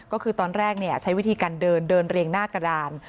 ก็คือตอนแรกใช้วิธีการเดินเดินเรียงหน้ากระดาน